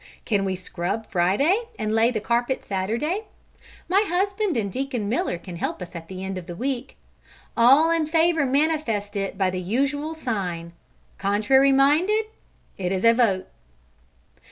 Can we scrub Friday and lay the carpet Saturday? My husband and Deacon Miller can help us at the end of the week. All in favour manifest it by the usual sign. Contrary minded? It is a vote."